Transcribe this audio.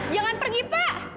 jangan pergi pak